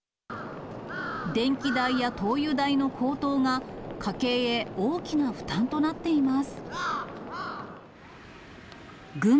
電気代や灯油代の高騰が、家計へ大きな負担となっています。